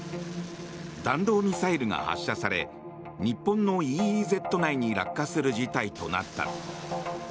弾道ミサイルが発射され日本のＥＥＺ内に落下する事態となった。